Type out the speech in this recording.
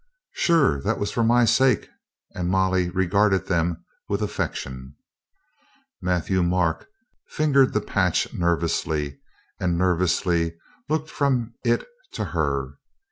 "Sure, that was for my sake," and Molly re garded them with affection. Matthieu Marc fingered the patch nervously and nervously looked from it to her.